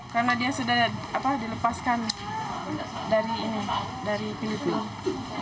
karena dia sudah dilepaskan dari filipina